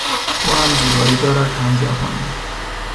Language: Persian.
او هم زیبایی دارد هم جوانی.